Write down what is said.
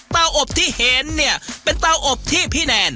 เตาอบที่เห็นเนี่ยเป็นเตาอบที่พี่แนน